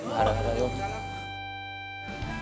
harus lah yuk